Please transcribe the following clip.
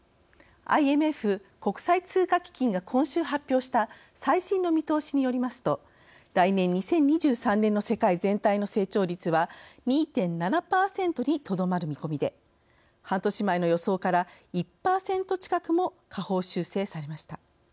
ＩＭＦ＝国際通貨基金が今週発表した最新の見通しによりますと来年２０２３年の世界全体の成長率は２．７％にとどまる見込みで半年前の予想から１％近くも下方修正されました。